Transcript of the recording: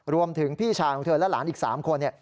รวมถึงพี่ชาของเธอและหลานอีก๓คน